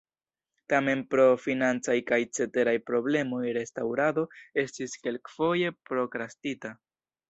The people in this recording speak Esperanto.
Tamen pro financaj kaj ceteraj problemoj restaŭrado estis kelkfoje prokrastita.